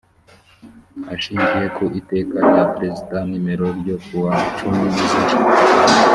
ashingiye ku iteka rya perezida nimero ryo ku wa cumi nzeri